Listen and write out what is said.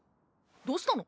どうしたの？